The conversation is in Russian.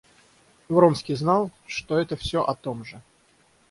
Вронский знал, что это всё о том же.